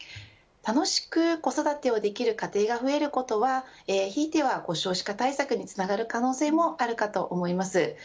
楽しく子育てをできる家庭が増えることはひいては、少子化対策につながる可能性もあるかと思います。